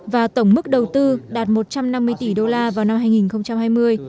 và tổng mức đầu tư đạt một trăm năm mươi tỷ đô la vào năm hai nghìn hai mươi